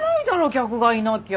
客がいなきゃ。